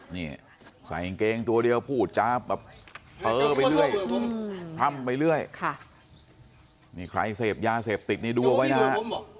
นี่ใส่อิงเกงตัวเดียวพูดจ้าแบบเผ้อไปเรื่อยทำไปเรื่อยใส่เสพยาเสพติดในดัวไว้นะฮะ